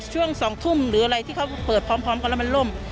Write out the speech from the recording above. ช่วง๒ทุ่มหรืออะไรที่เขาเปิดพร้อมกันแล้วมันล่ม